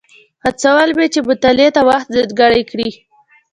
هڅول مې چې مطالعې ته وخت ځانګړی کړي.